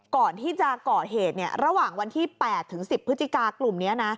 ก่อนที่จะก่อเหตุระหว่างวันที่๘ถึง๑๐พฤศจิกากลุ่มนี้นะ